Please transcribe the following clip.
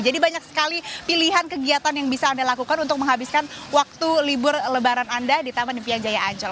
jadi banyak sekali pilihan kegiatan yang bisa anda lakukan untuk menghabiskan waktu libur lebaran anda di taman impian jaya ancol